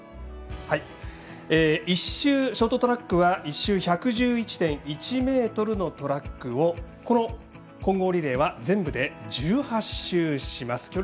ショートトラックは１周１１１．１ｍのトラックを混合リレーは全部で１８周します。